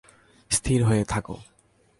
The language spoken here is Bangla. স্থির হয়ে থাকো!